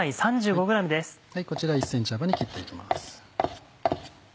こちら１ｃｍ幅に切って行きます。